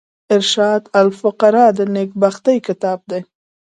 ارشاد الفقراء نېکبختي کتاب دﺉ.